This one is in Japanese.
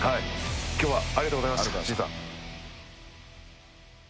今日はありがとうございました、慎さん。